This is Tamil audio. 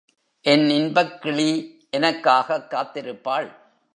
என் இன்பக் கிளி எனக்காகக் காத்திருப்பாள்.